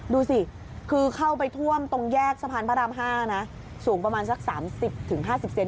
ดูสิคือเข้าไปท่วมตรงแยกสะพานพระรามห้านะสูงประมาณสักสามสิบถึงห้าสิบเซน